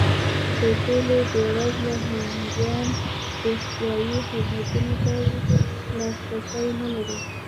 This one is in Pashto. تر ټولو بېوزله هندیان روغتیايي خدمتونو ته لاسرسی نه لري.